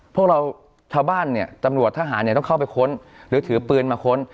พวกเราชาวบ้านเนี่ยตำรวจทหารเนี่ยต้องเข้าไปค้นหรือถือปืนมาค้น